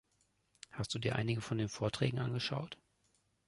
Hast du dir einige von den Vorträgen angeschaut?